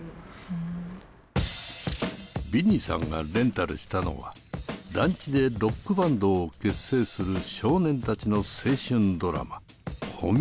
ビニさんがレンタルしたのは団地でロックバンドを結成する少年たちの青春ドラマ「ホミ・ロック」。